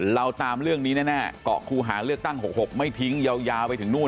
เราตามเรื่องนี้แน่เกาะคูหาเลือกตั้ง๖๖ไม่ทิ้งยาวไปถึงนู่น